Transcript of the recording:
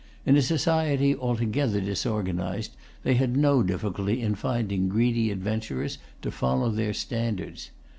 In a society altogether disorganised, they had no difficulty in finding greedy adventurers to follow their standards.